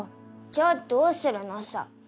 じゃあどうするのさ。